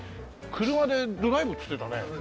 車でドライブつってたね。